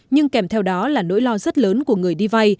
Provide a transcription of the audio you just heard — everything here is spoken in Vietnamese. nhưng kèm theo đó là nỗi lo rất lớn của người đi vay